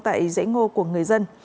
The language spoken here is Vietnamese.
tại dãy ngô của người dân